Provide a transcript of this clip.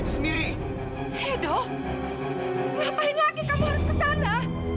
lagi kamu orang ketana